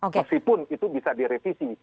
meskipun itu bisa direvisi